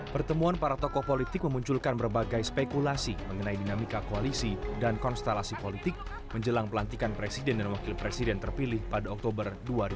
pertemuan para tokoh politik memunculkan berbagai spekulasi mengenai dinamika koalisi dan konstelasi politik menjelang pelantikan presiden dan wakil presiden terpilih pada oktober dua ribu dua puluh